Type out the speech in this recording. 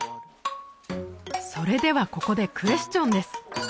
それではここでクエスチョンです